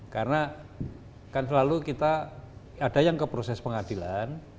karena kan selalu kita ada yang ke proses pengadilan